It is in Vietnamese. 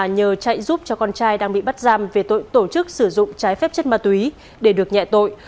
nhờ chạy giúp cho con trai đang bị bắt giam về tội tổ chức sử dụng trái phép chất ma túy để được nhẹ tội